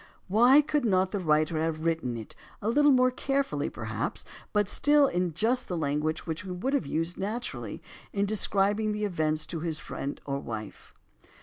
Why could not the writer have written it, a little more carefully perhaps, but still in just the language which he would have used naturally in describing the event to his wife or friend?